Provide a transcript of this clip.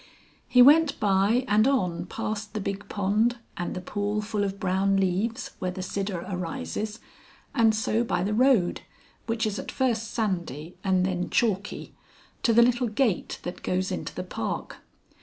He went by and on past the big pond and the pool full of brown leaves where the Sidder arises, and so by the road (which is at first sandy and then chalky) to the little gate that goes into the park.